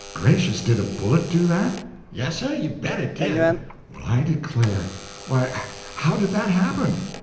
"Gracious! did a bullet do that?" "Yassir, you bet it did!" "Well, I declare! Why, how did that happen?"